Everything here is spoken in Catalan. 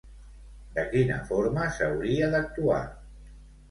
De quina forma s'hauria d'actuar?